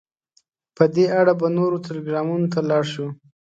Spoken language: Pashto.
په دې اړه به نورو ټلګرامونو ته ولاړ شو.